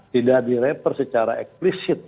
tidak direper secara eksplisit